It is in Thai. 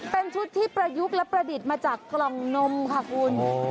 เป็นชุดที่ประยุกต์และประดิษฐ์มาจากกล่องนมค่ะคุณ